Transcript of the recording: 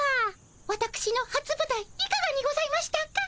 わたくしのはつぶたいいかがにございましたか？